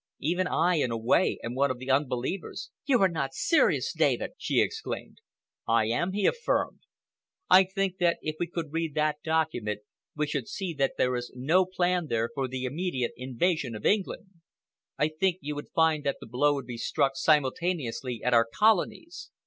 Even I, in a way, am one of the unbelievers." "You are not serious, David!" she exclaimed. "I am," he affirmed. "I think that if we could read that document we should see that there is no plan there for the immediate invasion of England. I think you would find that the blow would be struck simultaneously at our Colonies.